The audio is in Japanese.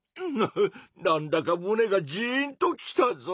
なんだかむねがジーンときたぞ！